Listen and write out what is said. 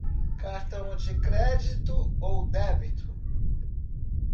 Cartão de crédito ou débito